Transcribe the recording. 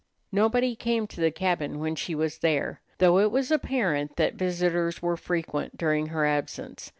Nobody came to the cabin when she was there, though it was apparent that visitors were frequent during her absence.